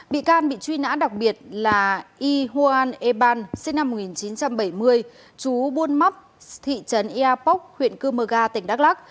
bị can bị truy nã đặc biệt là y hoan e ban sinh năm một nghìn chín trăm bảy mươi chú buôn mắp thị trấn iapok huyện cư mơ ga tỉnh đắk lắc